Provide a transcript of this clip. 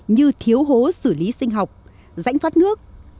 như thiếu hố xử lý sinh học rãnh thoát nước